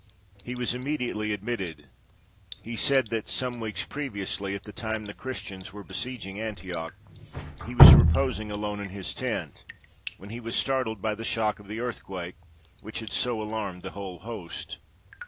He was immediately admitted. He said that, some weeks previously, at the time the Christians were besieging Antioch, he was reposing alone in his tent, when he was startled by the shock of the earthquake, which had so alarmed the whole host.